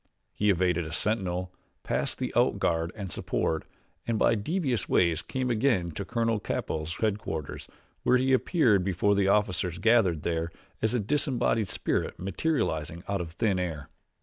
He evaded a sentinel, passed the out guard and support, and by devious ways came again to Colonel Capell's headquarters, where he appeared before the officers gathered there as a disembodied spirit materializing out of thin air.